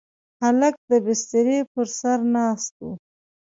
هلک د بسترې پر سر ناست و.